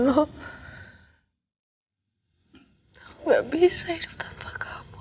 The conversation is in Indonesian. aku gak bisa hidup datanglah kamu